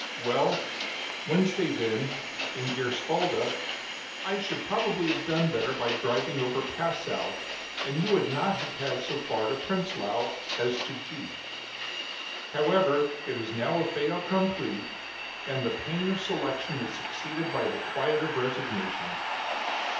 Well Wednesday, then, in Gerswalde I should have done probably better by driving over Passow, and you would not have had so far to Prenzlau as to G . However, it is now a fait accompli, and the pain of selection is succeeded by the quiet of resignation.